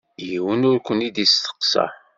Yiwen ur ken-id-isteqsa.